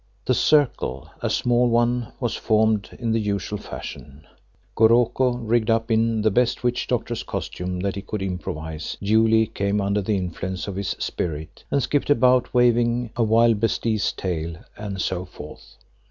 The circle, a small one, was formed in the usual fashion; Goroko rigged up in the best witch doctor's costume that he could improvise, duly came under the influence of his "Spirit" and skipped about, waving a wildebeeste's tail, and so forth.